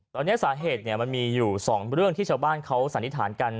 ตอนนี้สาเหตุมันมีอยู่๒เรื่องที่ชาวบ้านเขาสันนิษฐานกัน